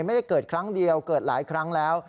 ไม่ได้เกิดครั้งเดียวเกิดหลายครั้งแล้ว